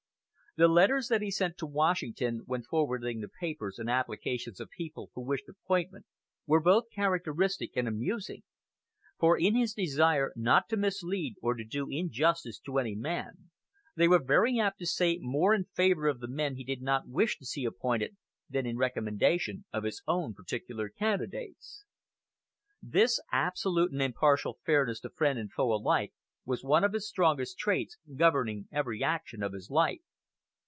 The letters that he sent to Washington when forwarding the papers and applications of people who wished appointment were both characteristic and amusing; for in his desire not to mislead or to do injustice to any man, they were very apt to say more in favor of the men he did not wish to see appointed than in recommendation of his own particular candidates. This absolute and impartial fairness to friend and foe alike was one of his strongest traits, governing every action of his life.